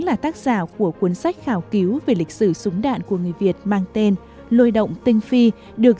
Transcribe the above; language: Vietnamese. là tác giả của cuốn sách khảo cứu về lịch sử súng đạn của người việt mang tên lôi động tinh phi được